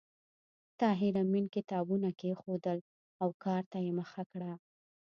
طاهر آمین کتابونه کېښودل او کار ته یې مخه کړه